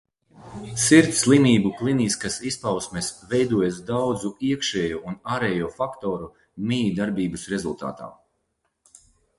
Sirds slimību klīniskās izpausmes veidojas daudzu iekšējo un ārējo faktoru mijiedarbības rezultātā.